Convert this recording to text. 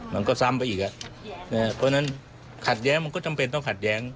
มันก็ซ้ำไปอีกเพราะฉะนั้นขัดแย้งมันก็จำเป็นต้องขัดแย้ง